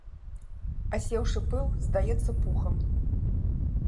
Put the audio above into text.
Асеўшы пыл здаецца пухам.